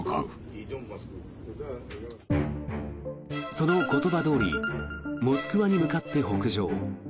その言葉どおりモスクワに向かって北上。